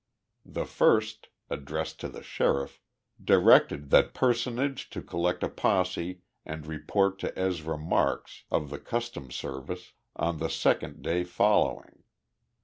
The first, addressed to the sheriff, directed that personage to collect a posse and report to Ezra Marks, of the Customs Service, on the second day following.